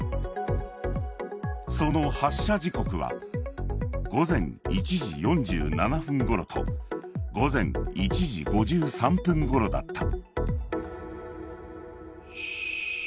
その発射時刻は午前１時４７分ごろと午前１時５３分ごろだった。